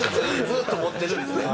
ずっと持ってるんですね。